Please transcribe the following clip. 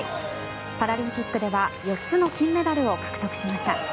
パラリンピックでは４つの金メダルを獲得しました。